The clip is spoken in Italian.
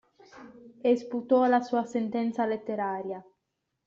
E sputò la sua sentenza letteraria.